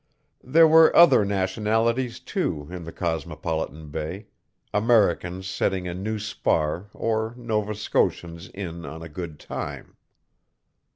There were other nationalities, too, in the cosmopolitan bay Americans setting a new spar or Nova Scotians in on a good time.